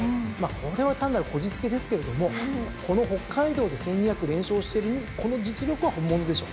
これは単なるこじつけですけれどもこの北海道で１，２００連勝してるこの実力は本物でしょう。